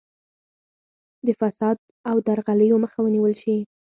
د فساد او درغلیو مخه ونیول شي.